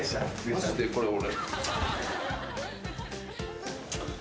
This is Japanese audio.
マジでこれ俺。